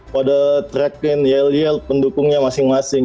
pada tracking yel yel pendukungnya masing masing